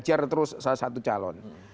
jadi kami hajar terus salah satu calon